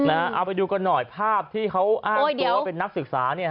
เอาไปดูกันหน่อยภาพที่เขาอ้างตัวว่าเป็นนักศึกษา